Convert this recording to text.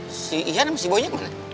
terus si ian sama si boynya kemana